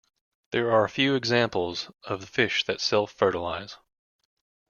There are a few examples of fish that self-fertilise.